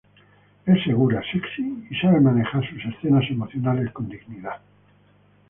Es segura, sexy, y sabe manejar sus escenas emocionales con dignidad".